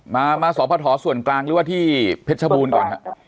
มาสพส่วนกลางหรือว่าที่เพชรชบูรณ์ก่อนครับ